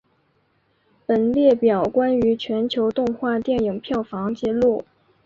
本列表关于全球动画电影票房纪录。